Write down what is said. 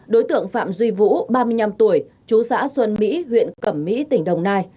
đối tượng phạm duy vũ ba mươi năm tuổi chú xã xuân mỹ huyện cẩm mỹ tỉnh đồng nai